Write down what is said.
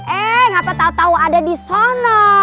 eh ngapa tau tau ada disana